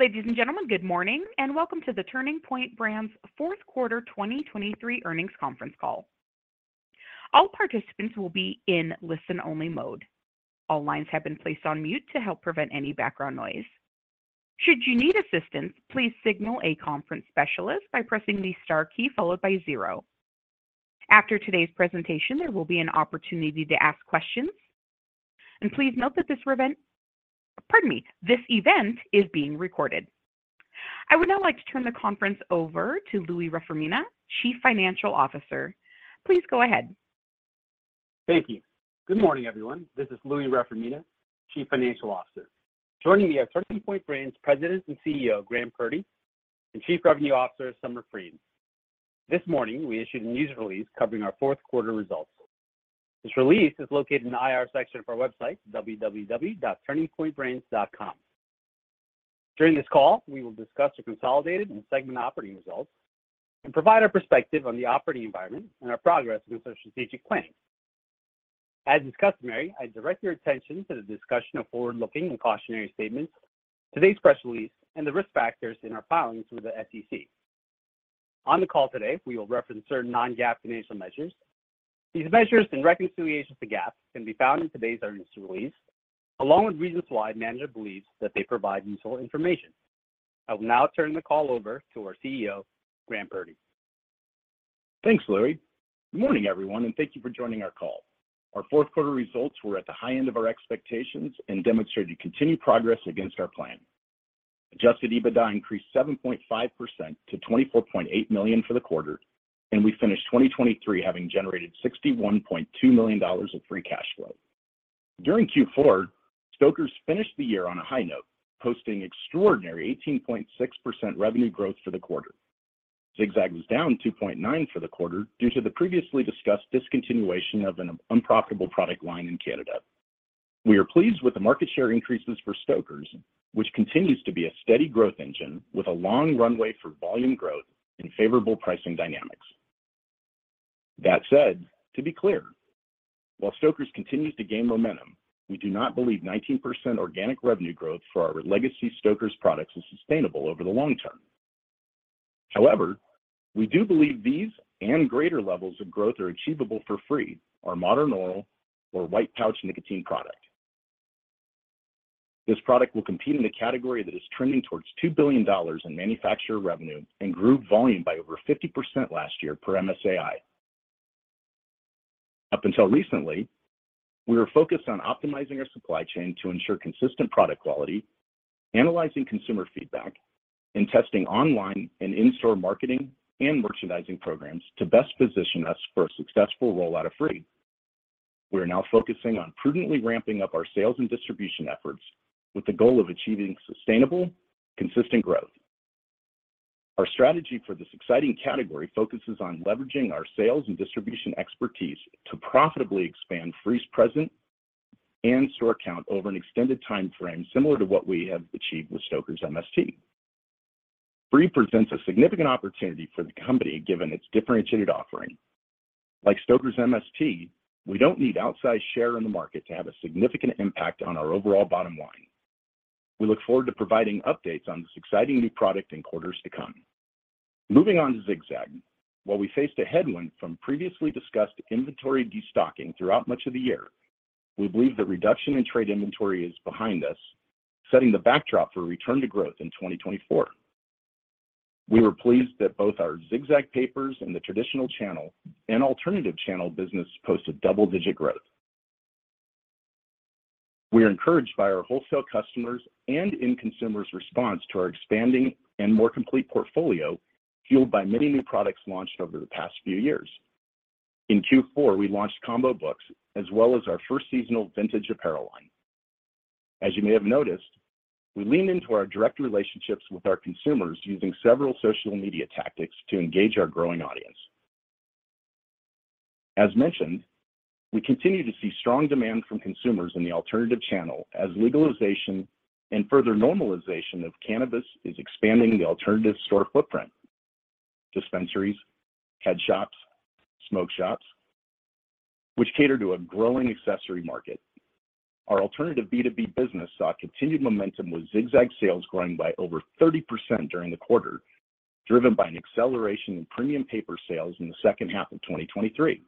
Ladies and gentlemen, good morning and welcome to the Turning Point Brands fourth quarter 2023 earnings conference call. All participants will be in listen-only mode. All lines have been placed on mute to help prevent any background noise. Should you need assistance, please signal a conference specialist by pressing the star key followed by zero. After today's presentation, there will be an opportunity to ask questions. Please note that this event, pardon me, this event, is being recorded. I would now like to turn the conference over to Louie Reformina, Chief Financial Officer. Please go ahead. Thank you. Good morning, everyone. This is Louie Reformina, Chief Financial Officer. Joining me are Turning Point Brands President and CEO Graham Purdy and Chief Revenue Officer, Summer Frein. This morning we issued a news release covering our fourth quarter results. This release is located in the IR section of our website, www.turningpointbrands.com. During this call, we will discuss our consolidated and segmented operating results and provide our perspective on the operating environment and our progress in our strategic planning. As is customary, I'd direct your attention to the discussion of forward-looking and cautionary statements, today's press release, and the risk factors in our filings with the SEC. On the call today, we will reference certain non-GAAP financial measures. These measures and reconciliations to GAAP can be found in today's earnings release, along with reasons why management believes that they provide useful information. I will now turn the call over to our CEO, Graham Purdy. Thanks, Louie. Good morning, everyone, and thank you for joining our call. Our fourth quarter results were at the high end of our expectations and demonstrated continued progress against our plan. Adjusted EBITDA increased 7.5% to $24.8 million for the quarter, and we finished 2023 having generated $61.2 million of free cash flow. During Q4, Stoker's finished the year on a high note, posting extraordinary 18.6% revenue growth for the quarter. Zig-Zag was down 2.9% for the quarter due to the previously discussed discontinuation of an unprofitable product line in Canada. We are pleased with the market share increases for Stoker's, which continues to be a steady growth engine with a long runway for volume growth and favorable pricing dynamics. That said, to be clear, while Stoker's continues to gain momentum, we do not believe 19% organic revenue growth for our legacy Stoker's products is sustainable over the long term. However, we do believe these and greater levels of growth are achievable for FRE: our modern oral or white pouch nicotine product. This product will compete in a category that is trending towards $2 billion in manufacturer revenue and grew volume by over 50% last year per MSAI. Up until recently, we were focused on optimizing our supply chain to ensure consistent product quality, analyzing consumer feedback, and testing online and in-store marketing and merchandising programs to best position us for a successful rollout of FRE. We are now focusing on prudently ramping up our sales and distribution efforts with the goal of achieving sustainable, consistent growth. Our strategy for this exciting category focuses on leveraging our sales and distribution expertise to profitably expand FRE's presence and store count over an extended time frame similar to what we have achieved with Stoker's MST. FRE presents a significant opportunity for the company given its differentiated offering. Like Stoker's MST, we don't need outside share in the market to have a significant impact on our overall bottom line. We look forward to providing updates on this exciting new product in quarters to come. Moving on to Zig-Zag, while we faced a headwind from previously discussed inventory destocking throughout much of the year, we believe that reduction in trade inventory is behind us, setting the backdrop for return to growth in 2024. We were pleased that both our Zig-Zag papers and the traditional channel and alternative channel business posted double-digit growth. We are encouraged by our wholesale customers and end consumers' response to our expanding and more complete portfolio fueled by many new products launched over the past few years. In Q4, we launched Combo Books as well as our first seasonal vintage apparel line. As you may have noticed, we leaned into our direct relationships with our consumers using several social media tactics to engage our growing audience. As mentioned, we continue to see strong demand from consumers in the alternative channel as legalization and further normalization of cannabis is expanding the alternative store footprint: dispensaries, head shops, smoke shops, which cater to a growing accessory market. Our alternative B2B business saw continued momentum with Zig-Zag sales growing by over 30% during the quarter, driven by an acceleration in premium paper sales in the second half of 2023.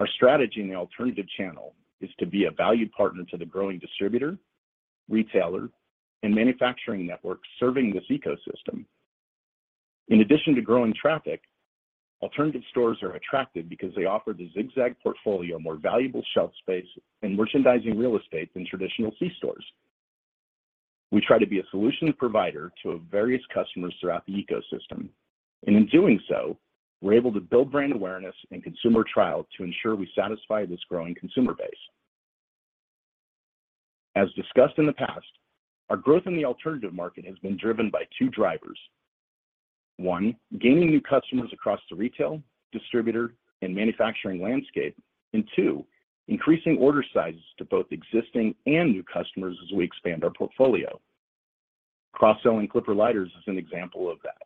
Our strategy in the alternative channel is to be a valued partner to the growing distributor, retailer, and manufacturing network serving this ecosystem. In addition to growing traffic, alternative stores are attractive because they offer the Zig-Zag portfolio more valuable shelf space and merchandising real estate than traditional C-stores. We try to be a solution provider to various customers throughout the ecosystem, and in doing so, we're able to build brand awareness and consumer trial to ensure we satisfy this growing consumer base. As discussed in the past, our growth in the alternative market has been driven by two drivers: one, gaining new customers across the retail, distributor, and manufacturing landscape; and two, increasing order sizes to both existing and new customers as we expand our portfolio. Cross-selling Clipper Lighters is an example of that.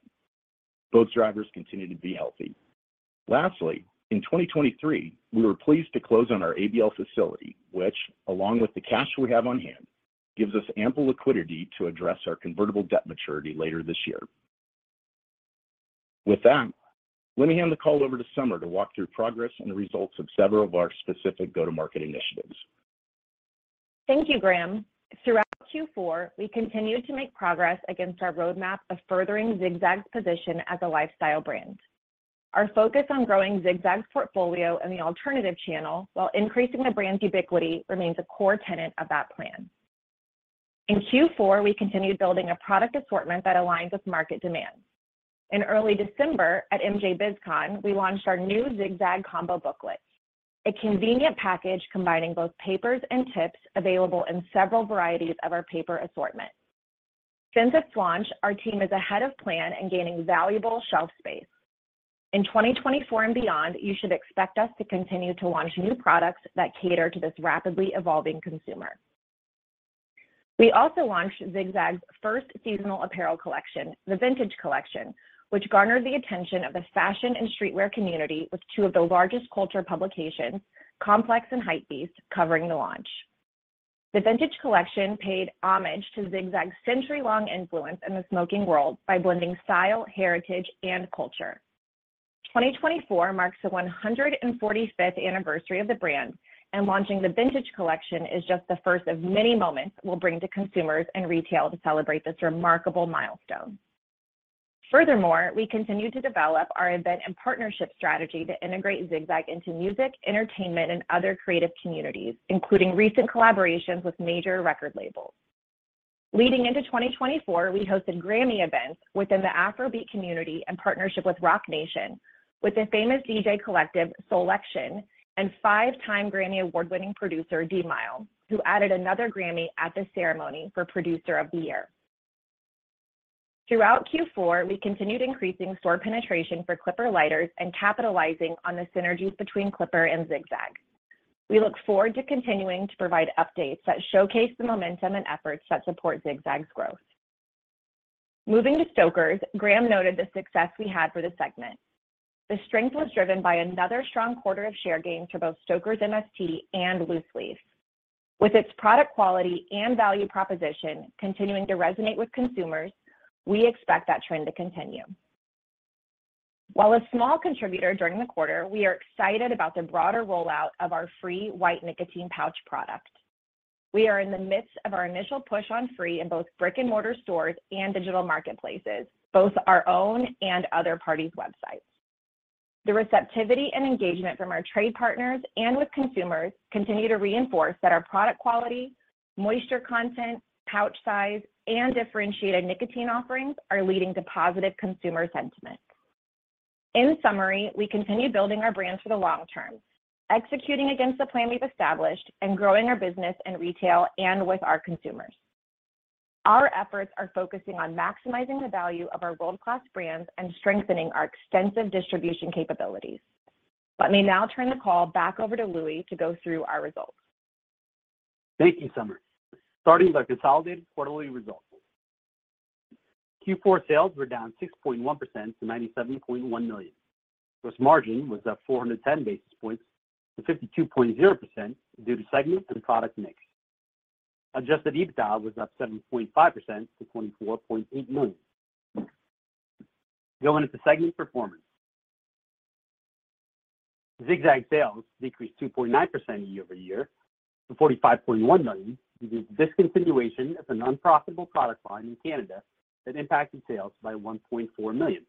Both drivers continue to be healthy. Lastly, in 2023, we were pleased to close on our ABL Facility, which, along with the cash we have on hand, gives us ample liquidity to address our convertible debt maturity later this year. With that, let me hand the call over to Summer to walk through progress and the results of several of our specific go-to-market initiatives. Thank you, Graham. Throughout Q4, we continued to make progress against our roadmap of furthering Zig-Zag's position as a lifestyle brand. Our focus on growing Zig-Zag's portfolio in the alternative channel while increasing the brand's ubiquity remains a core tenet of that plan. In Q4, we continued building a product assortment that aligned with market demand. In early December, at MJBizCon, we launched our new Zig-Zag Combo Books, a convenient package combining both papers and tips available in several varieties of our paper assortment. Since its launch, our team is ahead of plan in gaining valuable shelf space. In 2024 and beyond, you should expect us to continue to launch new products that cater to this rapidly evolving consumer. We also launched Zig-Zag's first seasonal apparel collection, the Vintage Collection, which garnered the attention of the fashion and streetwear community with two of the largest culture publications, Complex and Highsnobiety, covering the launch. The Vintage Collection paid homage to Zig-Zag's century-long influence in the smoking world by blending style, heritage, and culture. 2024 marks the 145th anniversary of the brand, and launching the Vintage Collection is just the first of many moments we'll bring to consumers and retail to celebrate this remarkable milestone. Furthermore, we continued to develop our event and partnership strategy to integrate Zig-Zag into music, entertainment, and other creative communities, including recent collaborations with major record labels. Leading into 2024, we hosted Grammy events within the Afrobeat community in partnership with Roc Nation, with the famous DJ collective Soulection, and five-time Grammy Award-winning producer D'Mile, who added another Grammy at the ceremony for Producer of the Year. Throughout Q4, we continued increasing store penetration for Clipper Lighters and capitalizing on the synergies between Clipper and Zig-Zag. We look forward to continuing to provide updates that showcase the momentum and efforts that support Zig-Zag's growth. Moving to Stoker's, Graham noted the success we had for the segment. The strength was driven by another strong quarter of share gains for both Stoker's MST and Loose Leaf. With its product quality and value proposition continuing to resonate with consumers, we expect that trend to continue. While a small contributor during the quarter, we are excited about the broader rollout of our FRE white nicotine pouch product. We are in the midst of our initial push on FRE in both brick-and-mortar stores and digital marketplaces, both our own and other parties' websites. The receptivity and engagement from our trade partners and with consumers continue to reinforce that our product quality, moisture content, pouch size, and differentiated nicotine offerings are leading to positive consumer sentiment. In summary, we continue building our brand for the long term, executing against the plan we've established, and growing our business in retail and with our consumers. Our efforts are focusing on maximizing the value of our world-class brands and strengthening our extensive distribution capabilities. Let me now turn the call back over to Louie to go through our results. Thank you, Summer. Starting by consolidated quarterly results, Q4 sales were down 6.1% to $97.1 million. Gross margin was up 410 basis points to 52.0% due to segment and product mix. Adjusted EBITDA was up 7.5% to $24.8 million. Going into segment performance, Zig-Zag sales decreased 2.9% year-over-year to $45.1 million due to the discontinuation of an unprofitable product line in Canada that impacted sales by $1.4 million.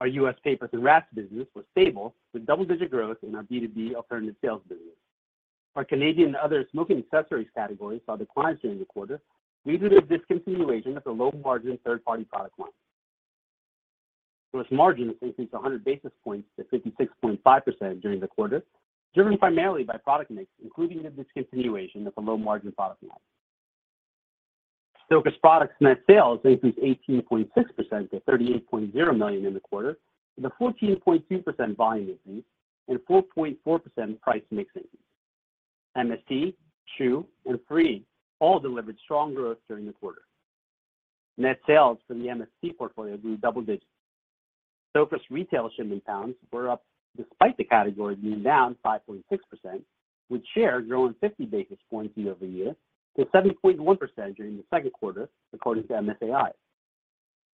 Our U.S. papers and wraps business was stable with double-digit growth in our B2B alternative sales business. Our Canadian and other smoking accessories categories saw declines during the quarter due to the discontinuation of the low-margin third-party product line. Gross margins increased 100 basis points to 56.5% during the quarter, driven primarily by product mix, including the discontinuation of the low-margin product line. Stoker's products net sales increased 18.6% to $38.0 million in the quarter with a 14.2% volume increase and 4.4% price mix increase. MST, Chew, and FRE all delivered strong growth during the quarter. Net sales for the MST portfolio grew double-digit. Stoker's retail shipping pounds were up despite the category being down 5.6%, with share growing 50 basis points year-over-year to 7.1% during the second quarter, according to MSAI.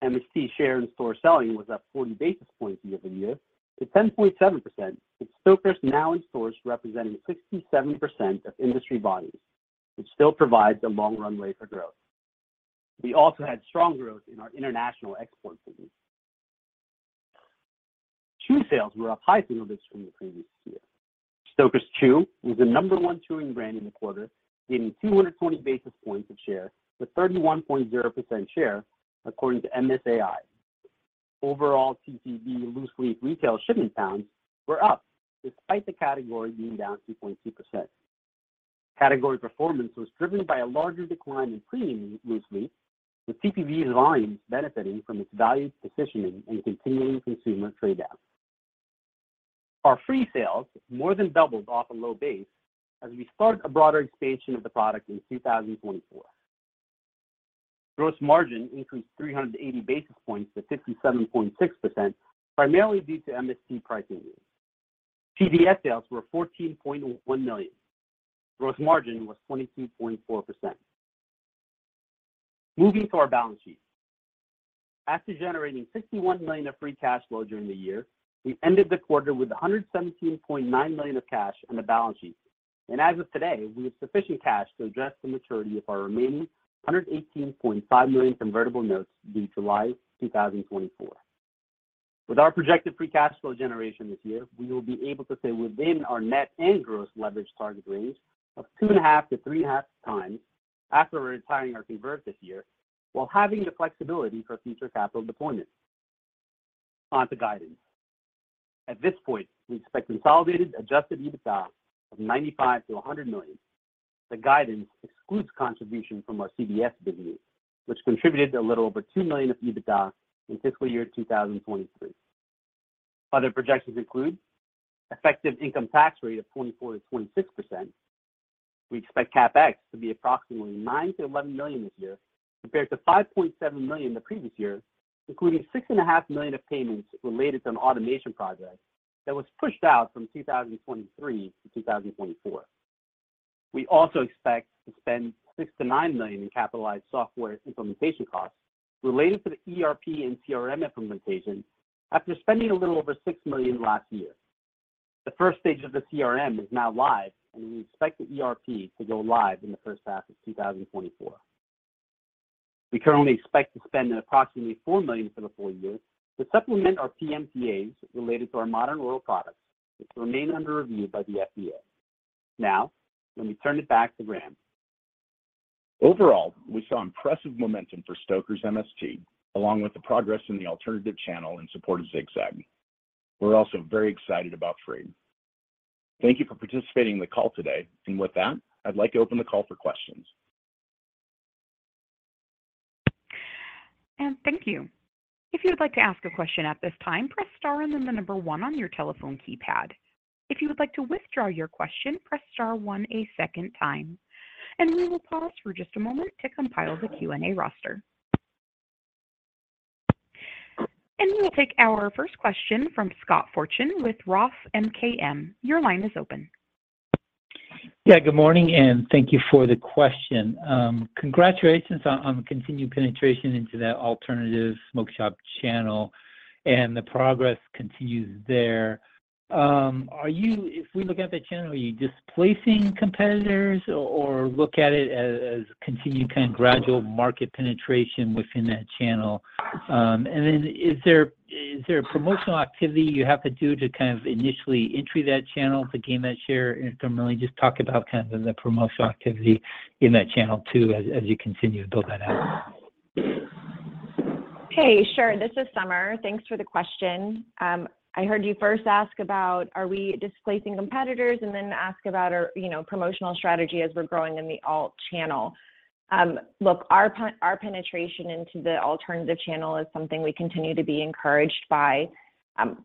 MST share in store selling was up 40 basis points year-over-year to 10.7%, with Stoker's now in stores representing 67% of industry volumes, which still provides a long runway for growth. We also had strong growth in our international export business. Chew sales were up high single digits from the previous year. Stoker's Chew was the number one chewing brand in the quarter, gaining 220 basis points of share with 31.0% share, according to MSAI. Overall, TPB Loose Leaf retail shipping pounds were up despite the category being down 2.2%. Category performance was driven by a larger decline in premium Loose Leaf, with TPB's volumes benefiting from its value positioning and continuing consumer trade-offs. Our FRE sales more than doubled off a low base as we started a broader expansion of the product in 2024. Gross margin increased 380 basis points to 57.6%, primarily due to MST pricing needs. FRE sales were $14.1 million. Gross margin was 22.4%. Moving to our balance sheet, after generating $61 million of free cash flow during the year, we ended the quarter with $117.9 million of cash in the balance sheet. And as of today, we have sufficient cash to address the maturity of our remaining $118.5 million convertible notes due July 2024. With our projected free cash flow generation this year, we will be able to stay within our net and gross leverage target range of 2.5-3.5 times after retiring our convert this year while having the flexibility for future capital deployment. Onto guidance. At this point, we expect consolidated adjusted EBITDA of $95 million-$100 million. The guidance excludes contribution from our CDS business, which contributed a little over $2 million of EBITDA in fiscal year 2023. Other projections include an effective income tax rate of 24%-26%. We expect CapEx to be approximately $9 million-$11 million this year compared to $5.7 million the previous year, including $6.5 million of payments related to an automation project that was pushed out from 2023 to 2024. We also expect to spend $6 million-$9 million in capitalized software implementation costs related to the ERP and CRM implementation after spending a little over $6 million last year. The first stage of the CRM is now live, and we expect the ERP to go live in the first half of 2024. We currently expect to spend approximately $4 million for the full year to supplement our PMTAs related to our modern oral products, which remain under review by the FDA. Now, let me turn it back to Graham. Overall, we saw impressive momentum for Stoker's MST, along with the progress in the alternative channel in support of Zig-Zag. We're also very excited about FRE. Thank you for participating in the call today. With that, I'd like to open the call for questions. Thank you. If you would like to ask a question at this time, press star and then the number one on your telephone keypad. If you would like to withdraw your question, press star one a second time. We will pause for just a moment to compile the Q&A roster. We will take our first question from Scott Fortune with Roth MKM. Your line is open. Yeah, good morning. And thank you for the question. Congratulations on the continued penetration into that alternative smoke shop channel, and the progress continues there. If we look at that channel, are you displacing competitors or look at it as continued kind of gradual market penetration within that channel? And then is there a promotional activity you have to do to kind of initially enter that channel to gain that share? And if you can really just talk about kind of the promotional activity in that channel too as you continue to build that out. Hey, sure. This is Summer. Thanks for the question. I heard you first ask about, "Are we displacing competitors?" and then ask about our promotional strategy as we're growing in the alt channel. Look, our penetration into the alternative channel is something we continue to be encouraged by.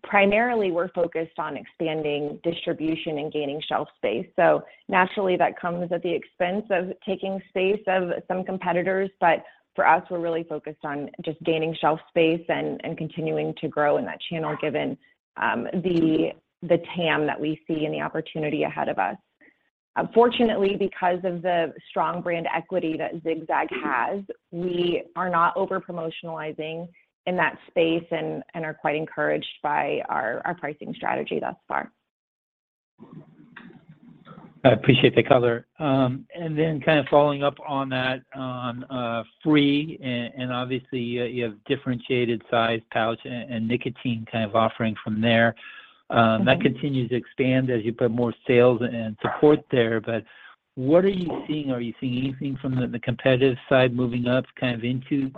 Primarily, we're focused on expanding distribution and gaining shelf space. So naturally, that comes at the expense of taking space of some competitors. But for us, we're really focused on just gaining shelf space and continuing to grow in that channel given the TAM that we see and the opportunity ahead of us. Fortunately, because of the strong brand equity that Zig-Zag has, we are not overpromotionalizing in that space and are quite encouraged by our pricing strategy thus far. I appreciate the color. Then kind of following up on that, on FRE, and obviously, you have differentiated size pouch and nicotine kind of offering from there. That continues to expand as you put more sales and support there. But what are you seeing? Are you seeing anything from the competitive side moving up kind of into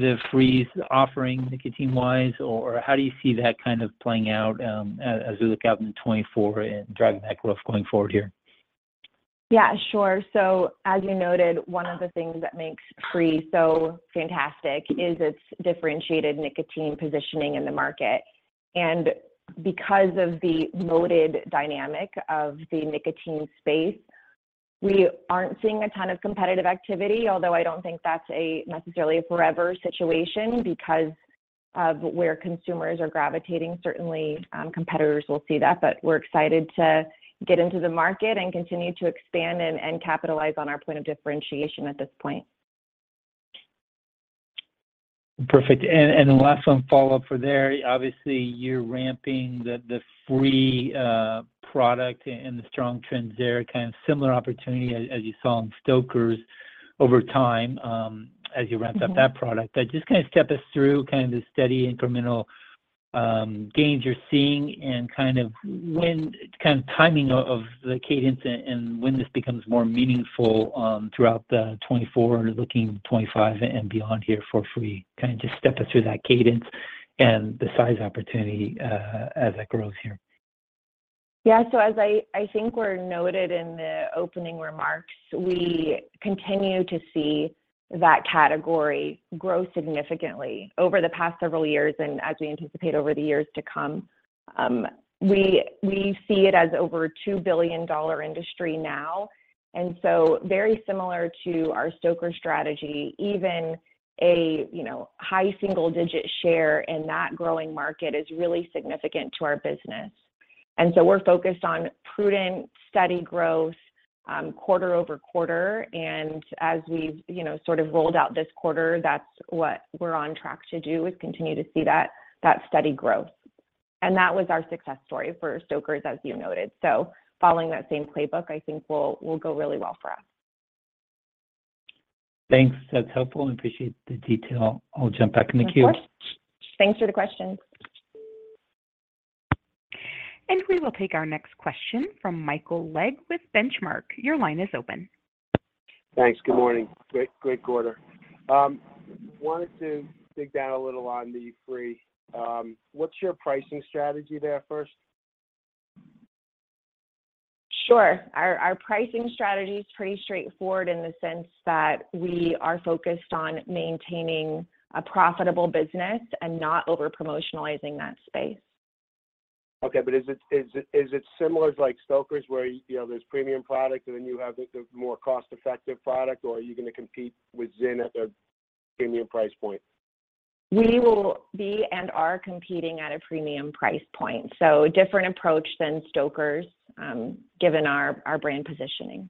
the FRE's offering nicotine-wise, or how do you see that kind of playing out as we look out in 2024 and driving that growth going forward here? Yeah, sure. So as you noted, one of the things that makes FRE so fantastic is its differentiated nicotine positioning in the market. And because of the loaded dynamic of the nicotine space, we aren't seeing a ton of competitive activity, although I don't think that's necessarily a forever situation because of where consumers are gravitating. Certainly, competitors will see that. But we're excited to get into the market and continue to expand and capitalize on our point of differentiation at this point. Perfect. And last one follow-up for there. Obviously, you're ramping the FRE product and the strong, there's a kind of similar opportunity, as you saw in Stoker's, over time as you ramped up that product. But just kind of step us through kind of the steady incremental gains you're seeing and kind of kind of timing of the cadence and when this becomes more meaningful throughout 2024 and looking 2025 and beyond here for FRE. Kind of just step us through that cadence and the size opportunity as that grows here. Yeah. So as I think was noted in the opening remarks, we continue to see that category grow significantly over the past several years and as we anticipate over the years to come. We see it as over $2 billion industry now. And so very similar to our Stoker's strategy, even a high single-digit share in that growing market is really significant to our business. And so we're focused on prudent, steady growth quarter-over-quarter. And as we've sort of rolled out this quarter, that's what we're on track to do is continue to see that steady growth. And that was our success story for Stoker's, as you noted. So following that same playbook, I think will go really well for us. Thanks. That's helpful. I appreciate the detail. I'll jump back in the queue. Of course. Thanks for the questions. We will take our next question from Michael Legg with Benchmark. Your line is open. Thanks. Good morning. Great quarter. Wanted to dig down a little on the FRE. What's your pricing strategy there first? Sure. Our pricing strategy is pretty straightforward in the sense that we are focused on maintaining a profitable business and not overpromotionalizing that space. Okay. But is it similar to Stoker's where there's premium product and then you have the more cost-effective product, or are you going to compete with Zyn at their premium price point? We will be and are competing at a premium price point. So different approach than Stoker's given our brand positioning.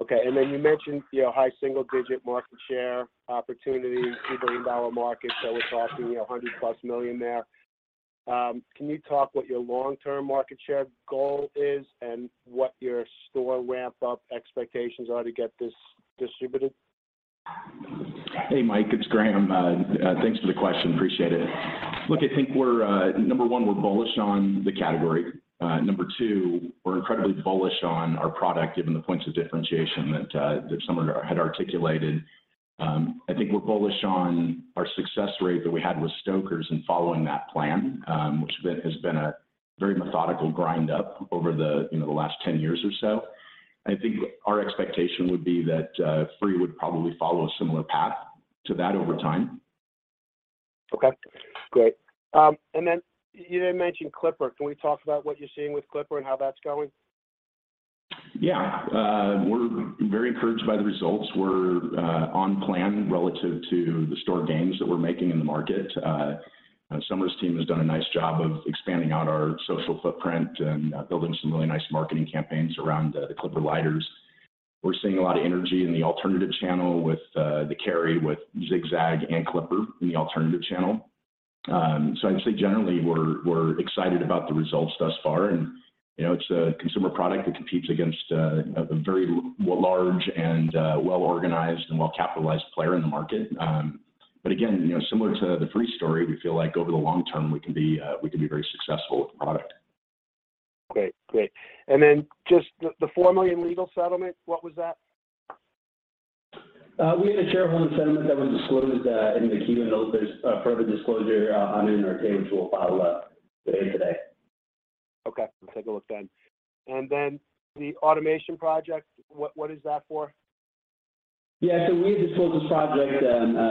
Okay. And then you mentioned high single-digit market share opportunity, $2 billion market. So we're talking $100+ million there. Can you talk what your long-term market share goal is and what your store ramp-up expectations are to get this distributed? Hey, Mike. It's Graham. Thanks for the question. Appreciate it. Look, I think number one, we're bullish on the category. Number two, we're incredibly bullish on our product given the points of differentiation that Summer had articulated. I think we're bullish on our success rate that we had with Stoker's in following that plan, which has been a very methodical grind-up over the last 10 years or so. I think our expectation would be that FRE would probably follow a similar path to that over time. Okay. Great. And then you did mention Clipper. Can we talk about what you're seeing with Clipper and how that's going? Yeah. We're very encouraged by the results. We're on plan relative to the store gains that we're making in the market. Summer's team has done a nice job of expanding out our social footprint and building some really nice marketing campaigns around the Clipper lighters. We're seeing a lot of energy in the alternative channel with the FRE, with Zig-Zag, and Clipper in the alternative channel. So I'd say generally, we're excited about the results thus far. And it's a consumer product that competes against a very large and well-organized and well-capitalized player in the market. But again, similar to the FRE story, we feel like over the long term, we can be very successful with the product. Great. Great. And then just the $4 million legal settlement, what was that? We had a shareholder settlement that was disclosed in the queue. There's further disclosure on it in our tape, which we'll follow up today. Okay. We'll take a look then. And then the automation project, what is that for? Yeah. We had disclosed this project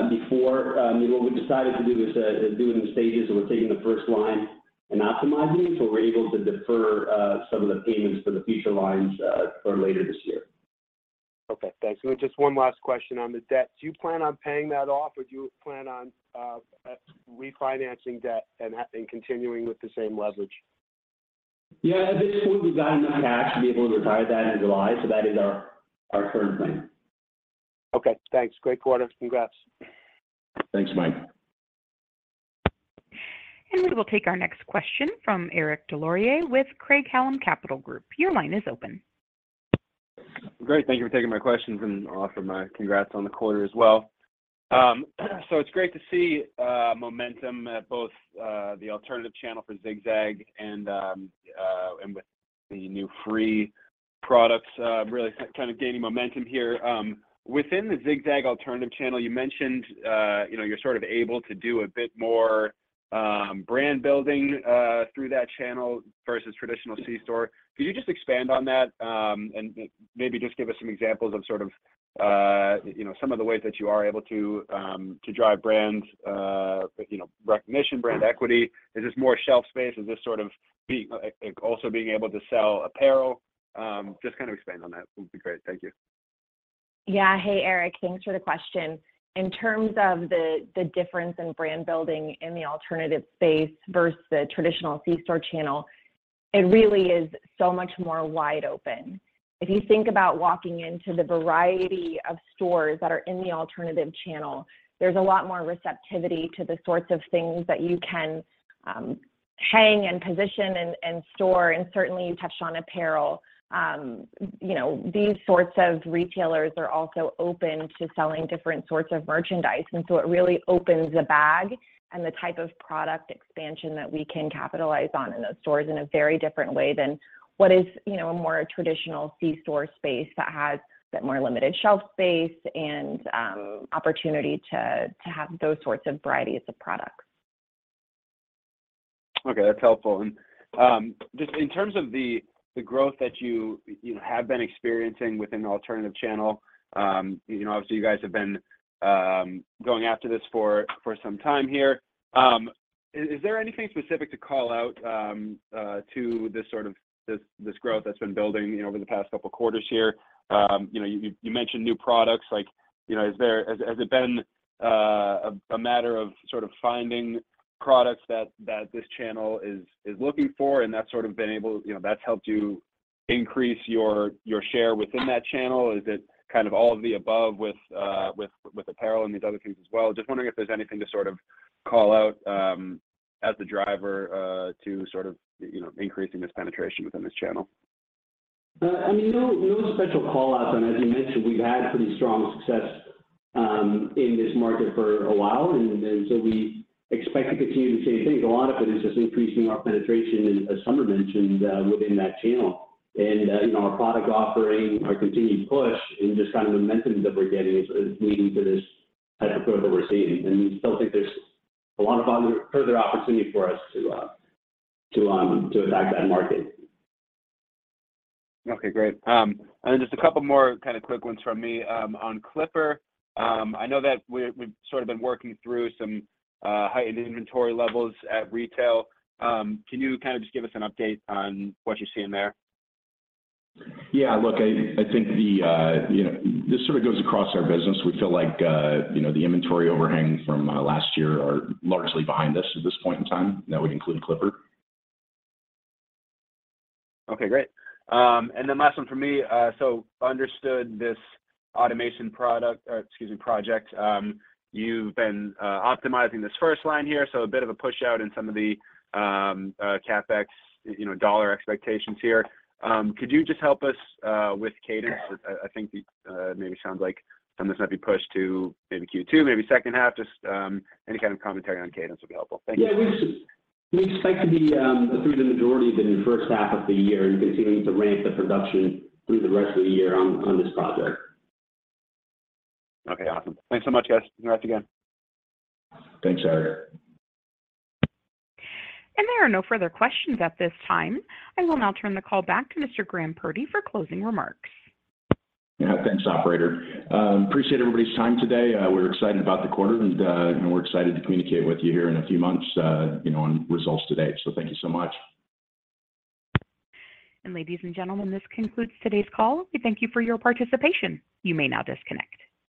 before. What we decided to do is do it in stages. We're taking the first line and optimizing it. We're able to defer some of the payments for the future lines for later this year. Okay. Thanks. And then just one last question on the debt. Do you plan on paying that off, or do you plan on refinancing debt and continuing with the same leverage? Yeah. At this point, we've got enough cash to be able to retire that in July. So that is our current plan. Okay. Thanks. Great quarter. Congrats. Thanks, Mike. We will take our next question from Eric Des Lauriers with Craig-Hallum Capital Group. Your line is open. Great. Thank you for taking my questions. I'll offer my congrats on the quarter as well. It's great to see momentum at both the Alternative Channel for Zig-Zag and with the new FRE products, really kind of gaining momentum here. Within the Zig-Zag Alternative Channel, you mentioned you're sort of able to do a bit more brand building through that channel versus traditional C-Store. Could you just expand on that and maybe just give us some examples of sort of some of the ways that you are able to drive brand recognition, brand equity? Is this more shelf space? Is this sort of also being able to sell apparel? Just kind of expand on that would be great. Thank you. Yeah. Hey, Eric. Thanks for the question. In terms of the difference in brand building in the alternative space versus the traditional C-Store channel, it really is so much more wide open. If you think about walking into the variety of stores that are in the alternative channel, there's a lot more receptivity to the sorts of things that you can hang and position and store. And certainly, you touched on apparel. These sorts of retailers are also open to selling different sorts of merchandise. And so it really opens the bag and the type of product expansion that we can capitalize on in those stores in a very different way than what is a more traditional C-Store space that has that more limited shelf space and opportunity to have those sorts of varieties of products. Okay. That's helpful. And just in terms of the growth that you have been experiencing within the Alternative Channel, obviously, you guys have been going after this for some time here. Is there anything specific to call out to this sort of growth that's been building over the past couple of quarters here? You mentioned new products. Has it been a matter of sort of finding products that this channel is looking for, and that's sort of been able that's helped you increase your share within that channel? Is it kind of all of the above with apparel and these other things as well? Just wondering if there's anything to sort of call out as the driver to sort of increasing this penetration within this channel. I mean, no special callouts. And as you mentioned, we've had pretty strong success in this market for a while. And so we expect to continue the same thing. A lot of it is just increasing our penetration, as Summer mentioned, within that channel. And our product offering, our continued push, and just kind of momentum that we're getting is leading to this type of growth that we're seeing. And we still think there's a lot of further opportunity for us to attack that market. Okay. Great. And then just a couple more kind of quick ones from me on Clipper. I know that we've sort of been working through some heightened inventory levels at retail. Can you kind of just give us an update on what you're seeing there? Yeah. Look, I think this sort of goes across our business. We feel like the inventory overhang from last year are largely behind us at this point in time. And that would include Clipper. Okay. Great. And then last one from me. So understood this automation product or excuse me, project. You've been optimizing this first line here. So a bit of a push out in some of the CapEx dollar expectations here. Could you just help us with cadence? I think it maybe sounds like something that's going to be pushed to maybe Q2, maybe second half. Just any kind of commentary on cadence would be helpful. Thank you. Yeah. We expect to be through the majority of the first half of the year. Continuing to ramp the production through the rest of the year on this project. Okay. Awesome. Thanks so much, guys. Congrats again. Thanks, Eric. There are no further questions at this time. I will now turn the call back to Mr. Graham Purdy for closing remarks. Yeah. Thanks, operator. Appreciate everybody's time today. We're excited about the quarter. We're excited to communicate with you here in a few months on results today. Thank you so much. Ladies and gentlemen, this concludes today's call. We thank you for your participation. You may now disconnect.